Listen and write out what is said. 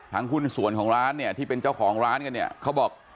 ทั้งหุ้นส่วนของร้านที่เป็นเจ้าของร้านก็บอก